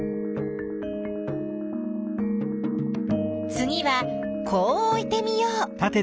つぎはこうおいてみよう。